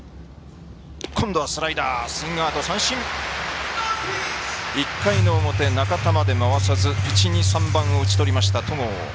今度はスライダースイングアウト、三振１回の表中田まで回さず１番２番３番を打ち取りました戸郷